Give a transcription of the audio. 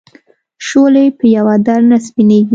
شولې په یوه در نه سپینېږي.